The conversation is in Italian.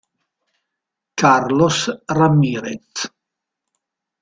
Carlos Ramírez